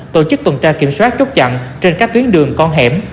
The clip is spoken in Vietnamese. tổ chức tuần tra kiểm soát chốt chặn trên các tuyến đường con hẻm